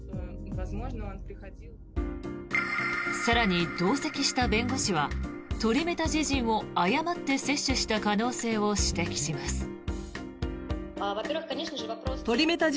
更に、同席した弁護士はトリメタジジンを誤って摂取した可能性を指摘します。